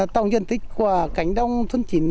tổng dân tích của cánh đông thôn chín